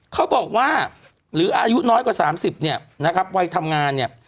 เขาบอกว่าหรืออายุน้อยกว่า๓๐เนี่ยนะครับวัยทำงานเนี่ย